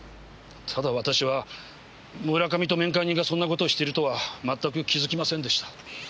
ただ私は村上と面会人がそんなことをしてるとはまったく気づきませんでした。